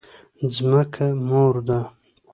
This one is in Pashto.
ځمکه مور ده؟